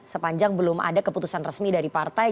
sepanjang belum ada keputusan resmi dari partai